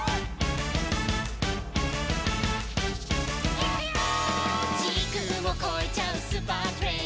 「いくよー！」